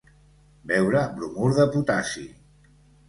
Veure bromur de potassi.